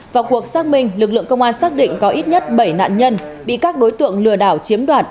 vào cuộc xác minh lực lượng công an xác định có ít nhất bảy nạn nhân bị các đối tượng lừa đảo chiếm đoạt